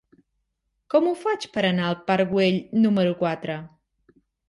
Com ho faig per anar al parc Güell número quatre?